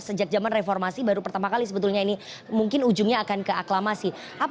sejak zaman reformasi baru pertama kali sebetulnya ini mungkin ujungnya akan ke aklamasi